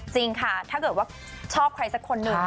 จริงค่ะถ้าเกิดว่าชอบใครสักคนหนึ่ง